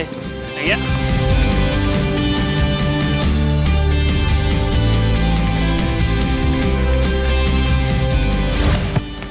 อย่างเงี้ย